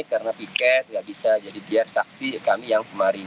karena piket gak bisa jadi biar saksi kami yang kemarin